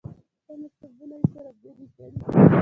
دا مکتبونه یې سره بېلې کړې دي.